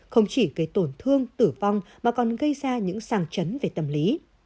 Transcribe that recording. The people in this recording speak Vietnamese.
không chỉ gây tổn thương tử vong mà còn gây ra những sàng chấn về tâm lý